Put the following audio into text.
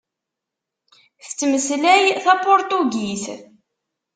Tettmeslay tapuṛtugit.